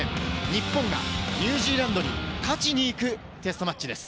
日本がニュージーランドに勝ちにいくテストマッチです。